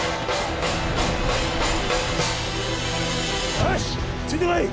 よしついてこい！